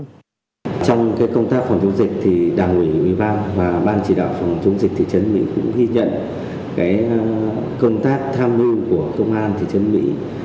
trong công tác phòng chống dịch thì đảng ủy ủy ban và ban chỉ đạo phòng chống dịch thị trấn mỹ cũng ghi nhận công tác tham mưu của công an thị trấn mỹ